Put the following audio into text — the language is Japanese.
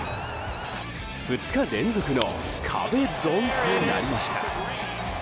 ２日連続の壁ドンとなりました。